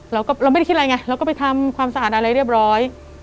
เราไม่ได้คิดอะไรไงเราก็ไปทำความสะอาดอะไรเรียบร้อย